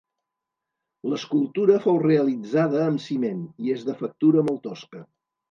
L'escultura fou realitzada amb ciment i és de factura molt tosca.